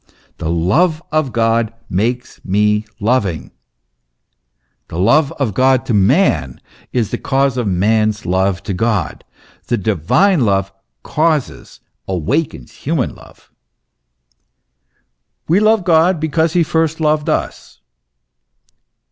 The love of God makes me loving ; the love of God to man is the cause of man's love to God ; the divine love causes, awakens human love. " We love God because he first loved us."